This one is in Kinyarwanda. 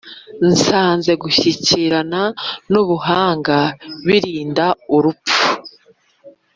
nsanze gushyikirana n’Ubuhanga birinda urupfu;